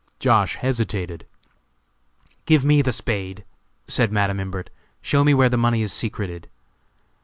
Josh. hesitated. "Give me the spade!" said Madam Imbert. "Show me where the money is secreted!"